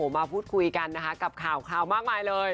มาพูดคุยกันนะคะกับข่าวมากมายเลย